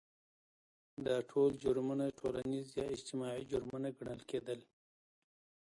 دا ټول جرمونه ټولنیز یا اجتماعي جرمونه ګڼل کېدل.